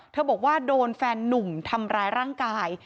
บอกว่าโดนแฟนนุ่มทำร้ายร่างกาย